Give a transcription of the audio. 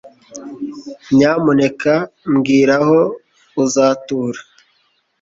Nyamuneka mbwira aho uzatura.